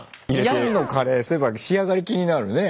ヤンのカレーそういえば仕上がり気になるね。